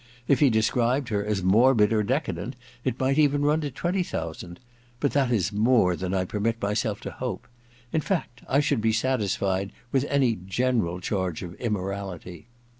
If he described her as morbid or deca dent, it might even run to twenty thousand ; but that is more than I permit myself to hope. In fact I should be satisfied with any general charge of immorality.